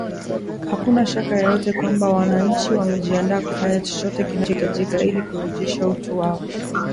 hakuna shaka yoyote kwamba wananchi wamejiandaa kufanya chochote kinachohitajika ili kurejesha utu wao